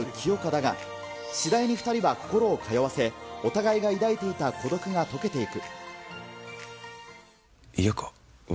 美世を冷たくあしらう清霞だが、次第に２人は心を通わせ、お互いが抱いていた孤独が溶けていく。